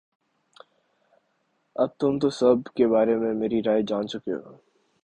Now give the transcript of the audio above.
اب تم تو سب کے بارے میں میری رائے جان چکے ہو